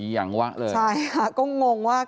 อียังวะเลยใช่แล้วก็งงว่า